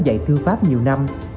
dạy thư pháp nhiều năm